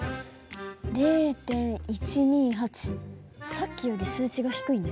さっきより数値が低いね。